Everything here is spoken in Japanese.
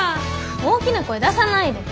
大きな声出さないで。